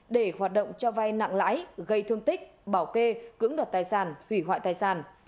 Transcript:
để hoạt động cho vay nặng lãi gây thương tích bảo kê cứng đọt tài sản hủy hoại tài sản